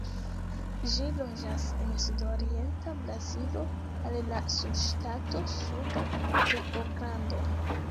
Ĝi loĝas en sudorienta Brazilo al la subŝtato Suda Rio-Grando.